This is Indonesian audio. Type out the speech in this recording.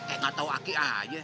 eh gak tau aki aja